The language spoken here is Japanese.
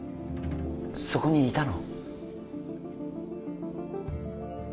そこにいたの？